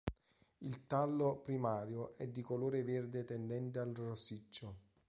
Il tallo primario è di colore verde tendente al rossiccio.